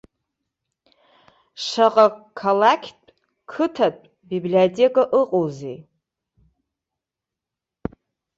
Шаҟа қалақьтә, қыҭатә библиотека ыҟоузеи?